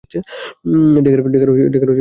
Dagger spare, তৈরি রয়েছে।